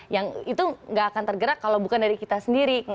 yang itu nggak akan tergerak kalau bukan dari kita sendiri